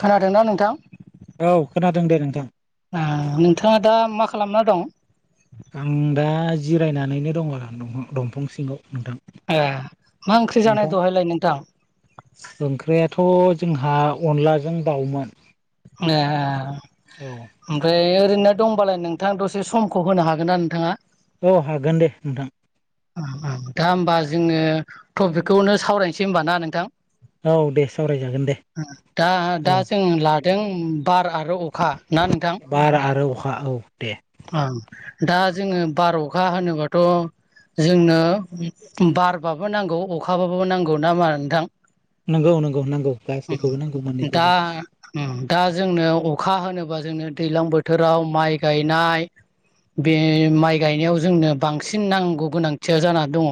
खोनादोंना नोंथां? औ खोनादों दे नोंथां। नोंथाङा दा मा खालामना दं? आं दा जिरायनानैनो दं आरो दंफां सिङाव नोंथां ओ मा ओंख्रि जानाय नोंथां दहायलाय नोंथां ओंख्रियाथ जोंहा अनलाजों दाउमोन। ए औ ओमफ्राय ओरैनो दंबालाय नोंथां दसे समखौ होनो हागोन ना नोंथांङा? औ हागोन दे नोंथां। दा होमबा जोंङो टपिकखौनो सावरायनोसै होनबा ना नोंथां? औ दे सावरायजागोन दे। दा औ दा जों लादों बार आरो अखा ना नोंथां? बार आरो अखा औ दे। ओं दा जोंङो बार'खा होनोबाथ' जोंनो बारबाबो नांगौ अखाबाबो नांगौ नामा नोंथां? नंगौ नंगौ नांगौ गासैखौबो नांगौ मोननैखौबो दा उम दा जोंनो अखा होनोब्ला जोंनो दैज्लां बोथोराव माइ गायनाय बे माइ गायनायाव जोंनो बांसिन नांगौ गोनांथिया जानानानैा दङ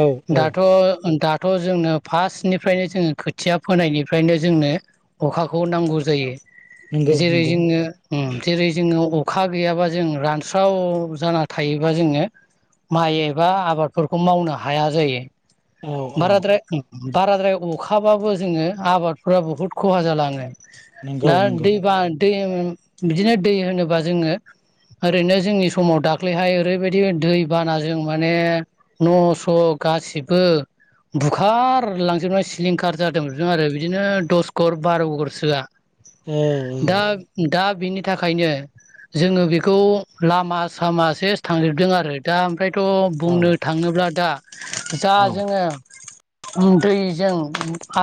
औ औ दा दाथ' दा थ' जोंनो फार्स्टनिफ्रायनो जोंङो खोथिया फोनायनिफ्रायनो जोंनो अखाखौ नांगौ जायो। नंगौ जेरै नंगौ जोंङो जेरै जोंङो अखा गैयाबा जों रानस्राव जाना थायोबा जोंङो माइ एबा आबादफोरखौ मावनो हाया जायो औ औ बाराद्राय बाराद्राय अखाबाबो जोंङो आबादफ बुहुद खहा जालांङो। नंगौ दा नंगौ दैबा दै बिदिनो दै होनोबा जोंङो ओरैनो जोंनि समाव दाख्लैहाय ओरैबायदि दै बान जों माने न स' गासिबो बुखार लांजोबनाय सिलिंखार जादोंमोनदों आरो बिदिनो दस घर बार' घर सोआ औ दा दा दा बिनि थाखायनो जोंङो बेखौ लामा सामाासो थांजोबदों आरो दा ओमफ्राय थ' औ बुंनो थांङोब्ला दा जा औ जोंङो दैजों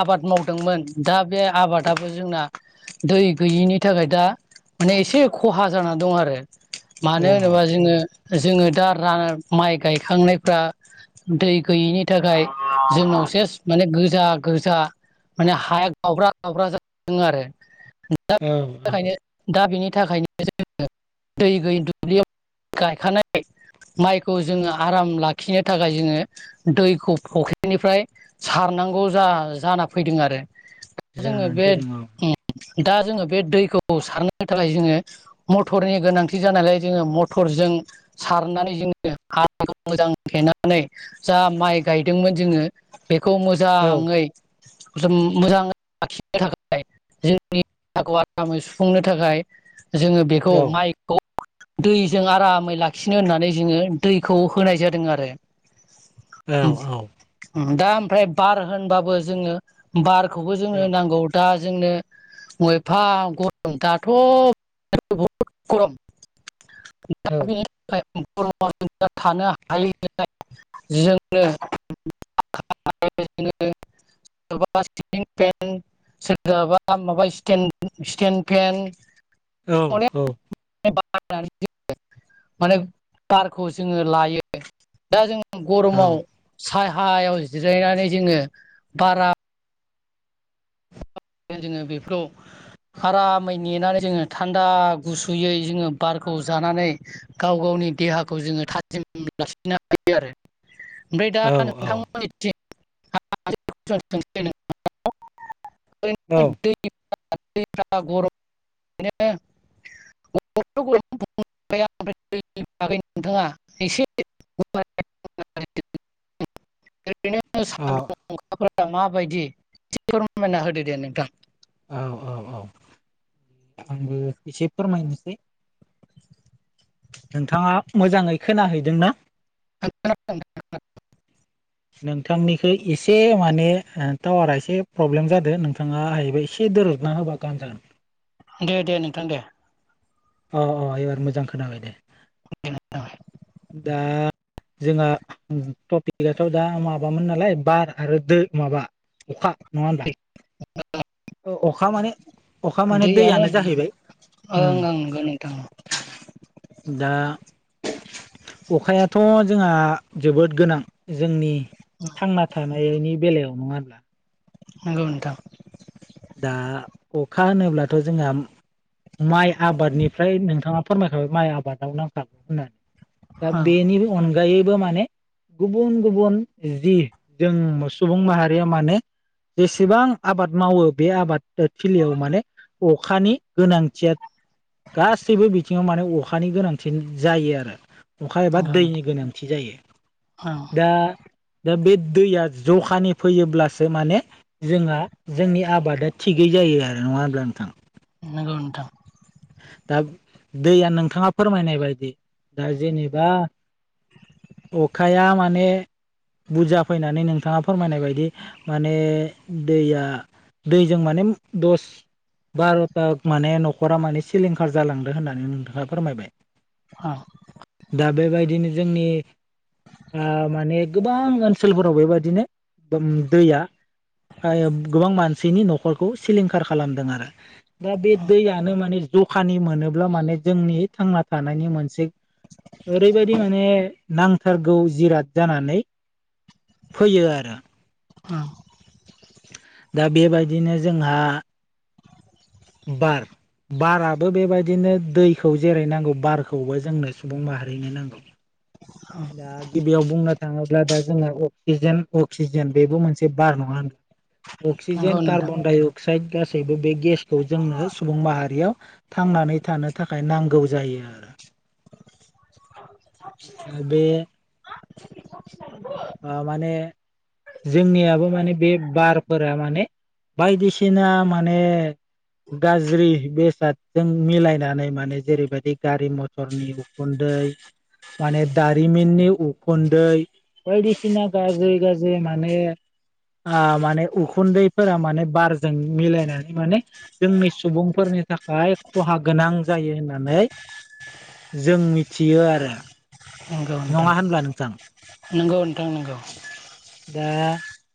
आबाद मावदोंमोन दा बे आबादाबो जोंना दै गैयिनि थाखाय दा माने एसे खहा जानानै दं आरो औ मानो होनोबा जोंङो जोंङो दा रा माइ गायखांनायफ्रा दै गैयैनि थाखाय जोंनाव सेस माने गोजा गोजा माने हाया गावब्रा गावब्रा जाजोबदों आरो दा औ औ बिनि थाखायनो दा बेनि थाखायनो जोंङो दै गैयि दुब्लियाव गायखानाय माइखौ जोंङो आराम लाखिनो थाखाय जोंङो दैखौ फख्रिनिफ्राय सार नांगौ जा जाना फैदों आरो जोङो जानानै बे फैदों औ दा जोंङो बे दैखौ बु सारनो थाखाय जोंङो मटरनि गोनांथि जानायलाय जोंङो मटरजों सार नानै जोंङो हाखौ मोजां थेनानै जा माइ गायदोंमोन जोंङो बेखौ औ मोजांङै जों मोजांङै लाखिनो थाखाय जोंनि [unintelligible] आरामै सुफुंनो थाखाय जोंङो बेखौ औ माइखौ दैजों आरामै लाखि नो होननानै जोंङो दैखौ होनाय जादों आरो औ औ दा ओमफ्राय बार होनबाबो जोङो बारखौबो जोंनो नांगौ दा जोंनो ब एफा गरम दाथ' बहुद गरम [unintelligible] [unintelligible] थानो हायो जोंनो [unintelligible] सोरबा सिलिं फेन सोरगाबा माबा स्टेन स्टेन फेन औ अनेक औ माने बारखौ जोंङो लायो दा जों औ गरमाव साहायाव जिरायनानै जोङो बारा [inaudible] जोङो बेफोराव आरामै नेनानै जोङो थान्दा गुसुयै जोङो बारखौ जानानै गाव गावनि देहाखौ जोङो थाजिम लाखिनो हायो। ओमफ्राय दा औ नोंथांमोननिथिं [unintelligible] [unintelligible] [unintelligible] [unintelligible] [inaudible] ओरैनो औ सान्दुं अखाफोरा माबायदि एसे फोरमायना होदो दे नोंथां। औ औ औ आंबो एसे फोरमायनोसै नोंथाङा मोजाङै खोनाहैदों ना [unintelligible] नोंथांनिखो एसे माने ओ टावारा एसे प्रब्लेम जादों नोंथाङा हायोबा एसे दोरोदना होबा गाहाम जागोन। दे दे नोंथां दे अ अ एबार मोजां खोनाबाय दे दे नोंथां दा जोंहा टपिकआथ दा माबामोन नालाय बार आरो दो माबा अखा नङा होनबा अखा माने अखा माने दैयानो जाहैबाय ओं ओं ओम नंगौ नोंथां दा अखायाथ' जोंहा जोबोद गोनां जोंनि थांना थानायनि बेलायाव नङा होनबा नंगौ नोंथां। दा अखा होनोब्लाथ जोंहा माइ आबादनिफ्राय नोंथाङा फोरमायखाबाय माइ आबादाव नांखागौ होननानै। दा ओं बेनि अनगायै माने गुबुन गुबुन जि जों सुबुं माहारिया मानोे जेसेबां आबाद मावो बे आबाद थिलियाव माने अखानि गोनांथिया गासैबो बिथिङाव माने अखा अखानि गोनांथि जायो आरो। अखा एबा नंगौ दैनि गोनांथि जायो ओं दा दा बे दैया जखानि फैयोब्लासो माने जोंहा जोंनि आब आबादा थिगै जायो आरो नङा हब्ला नोंथां? नंगौ नोंथां दा दैया नोंथाङा फोरमायनाय बायदि दा जेनेबा अखाया माने बुरजा फैनानै नोंथाङा फोरमायनाय बायदि माने दैया दैजों माने दस बार'था माने न'खरा माने सिलिंखार जालांदों होननानै नोंथाङा फोरमायबाय ओं दा बेबायदिनो जोंनि ओ माने गोबां ओनसोलफोराव बेबादिनो दैया गोबां मानसिनि न'खरखौ सिलिंखार खालामदों आरो। दा बे दैयानो माने जखानि मोनोब्ला माने जोंनि थांना थानायनि मोनसे ओरैबायादि माने नांथारगौ जिराद जानानै फैयो आरो। औ दा बेबायदिनो जोंहा बार बाराबो बेबायदिनो दैखौ जेरै नांगौ बारखौबो जोंनो सुबुं माहारिनो नांगौ। दा गि बेयाव बुंनो थाङोब्ला दा जोङो अक्सिजेन अक्सिजेन बेबो मोनसे बार नङा होनब्ला? नंगौ अक्सिजेन नोंथां कार्बन दाइ अक्साइड गासैबो बे गेसखौ जोंनो सुबुं माहारियाव थांनानै थानो थाखाय नांगौ जायो आरो। औ दा बे माने जोंनियाबो माने बे बारफोरा माने बायदिसिना माने गाज्रि बेसादजों मिलायनानै माने जेरैबायदि गारि मथरनि उखुदै माने दारिमिननि उखुन्दै बायदिसिना गाजै गाजै माने ओ माने उखुन्दैफोरा माने बारजों मिलायनानै माने जोंनि सुबुंफोरनि नि थाखाय खहा गोनां जायो होननानै जों मिथियो आरो। नंगौ नोंथां नङा होनब्ला नोंथां नंगौ नोंथां नंगौ दा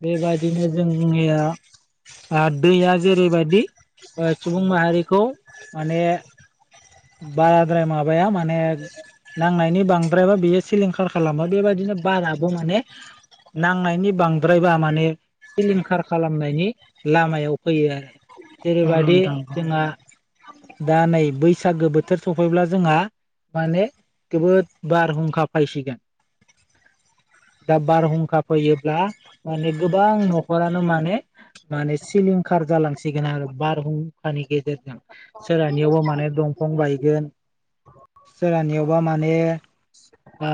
बेबादिनो जोंनिया दैया जेरैबायदि सुबुं माहारिखौ माने बाराद्राय माबाया माने नांनायनि बांद्रायबा बियो सिलिंखार खालामो बेबायदिनो बाराबो माने नांनायनि बांद्रायबा माने सिलिंखार खालामनायनि लामायाव फैयो आरो नंगौ जेरैबायाददि नोंथां नंगौ नोंथां जोंहा दा नै बैसागो बोथोर सफैब्ला जोंहा माने जबोद बारहुंखा फैसिगोन। [inaudible] दा बारहुंखा फैयोब्ला माने गोबां नखरानो माने माने सिलिंखा खार जालांसिगोन आरो बारहुंखानि गेजेरजों। सोरानियावबो माने दंफां बायगोन सोरलानियावबा माने ओ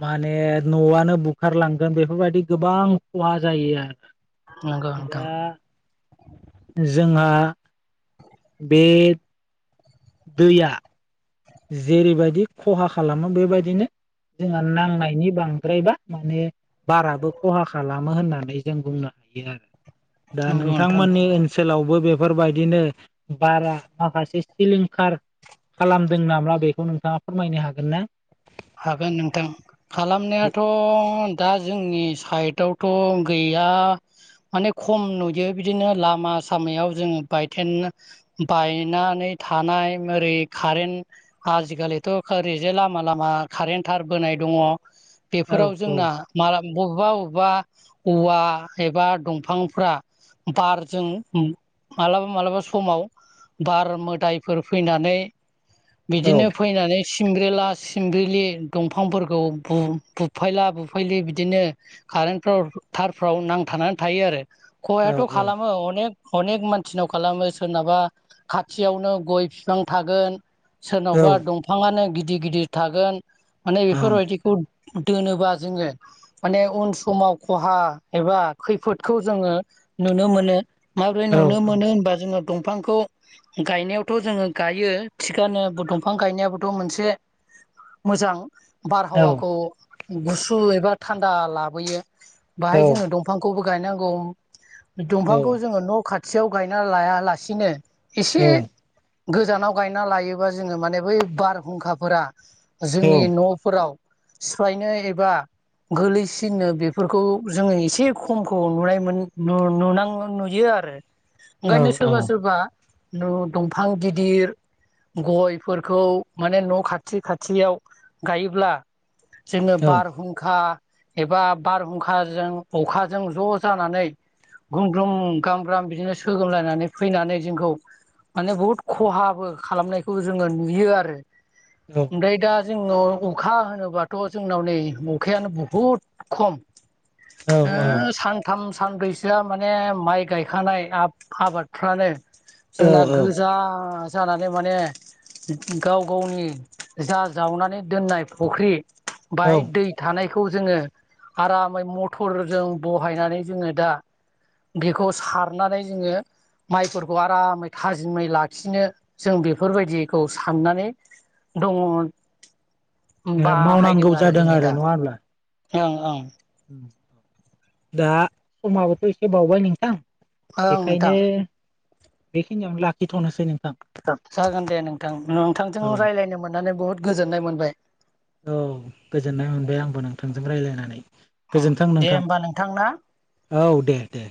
माने न'आनो बुखारलांगोन बेफोरबायदि गोबां खहा जायो आरो। नंगौ नोंथां दा जोंहा बे दैया जेरैबायदि खहा खालामो बेबायदिनो जोंहा नांनायनि बांद्रायबा माने बाराबो खहा खालामो होननानै जों बुंनो आरो दा नंगौ नोंथां नोंथांमोननि नंगौ ओनसोलावबो बे बेफोरबायदिनो बारा माखासे सिलिंखार खालाम दों नामा बेखौ नोंथाङा फोरमायनो हागोन ना? हागोन नोंथां खालामनायाथ' दा जोंनि साइडआवथ' गैया माने खम नुयो बिदिनो लामा सामायाव जोङो बाय बायनानै थानाय ओरै कारेन्ट आजिखालिथ' ओरैजे लामा लामा कारेन्ट थार बोनाय दङ औ बेफोराव औ जोंना मा बबेबा बबेबा औवा एबा दंफांफ्रा बारजों मालाबा मालाबा समाव बार मोदायफोर फैनानै औ बिदिनो फैनानै सिमब्रेला सिमब्रि दंफांफोरखौ बुफायला बुफायलि बिदिनो कारेनफ्राव थाराव नांथानानै थायो आरो औ खहायाथ खालामो अनेक अनेक मानसिनाव खालामो सोरनाबा खाथियावनो गय बिफां थागोन। औ सोरनावबा दंफाङानो गिदिर गिदिर थागोन माने औ औ बेफोरबायदिखौ दोनोबा जोङो माने उन समाव खहा एबा खैफोदखौ जोङो नुनो मोनो माबोरै औ नुनो औ मोनो होनबा जोङो दंफांखौ गायनायावथ जोङो गायो थिखानो दंफां गायनायाबोथ' मोनसे मोजां बारहावाखौ गुसु एबा थान्दा लाबोयो। बाहाय जोङो दंफांखौबो गायनांगौ दंफांखौ जोङो न' खाथ खाथियाव गायना लायालासिनो इसे गोजानाव गायना लायोबा जोङो माने बै बारहुंखाफोरा जोंनि न'फोराव सिफायनो एबा। गोलैसिनो बेफोरखौ जोङो इसे खमखौ नुनाय मोन नु नुनां नुयो आरो। ओंखायनो सोरबा सोरबा न दंफां गिदिर गयफोरखौ माने न' खाथि खाथ थियाव गायोब्ला जोङो बारहुंखा एबा बारहुंखाजों अखाजों ज' जानानै ग्रुम ग्रोम गाम ग्राम बिदिनो सोगोमलायनानै फैनानै जोंखौ माने बुहुद खहाबो खालामनायखौ जोङो नुयो आरो ओमफ्राय दा जोंनाव अखा होनोबाथ' जोंनाव नै अखायानो बुहुद खम। ओ सानथाम। सानब्रैसोआ माने माइ गायखानाय आब आबादफ्रानो औ जोंना गोजा जानानै माने गाव गावनि जा जावनानै दोननाय फुख्रि औ बाहाय दै थानाय। खौ जोङो आरामै मथरजों बहायनानै जोङो दा बेखौ सारनानै जोङो माइफोरखौ आरामै थाजिमै लाखिनो जों बेफोरबायदिखौ साननानै दङ मोन मावनांगौ बाहायदों आरो जादों जोङो दा नङा होमब्ला? ओं ओं। दा समाबोथ' इसे बावबाय नोंथां। ओं बेखायनो नोंथां बेखिनियाव लाखिथ'नोसै नों जागोन दे नोंथां औ नोंथांजों रायलायनो मोननानै बुहुद गोजोननाय मोनबाय। औ गोजोननाय मोनबाय आंबो नोंथांजों रायलायनानै गोजोनथों दे नोंथां होमबा नोंथां ना औ दे दे।